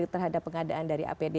terhadap pengadaan dari apd